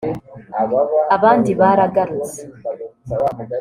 abandi baragarutse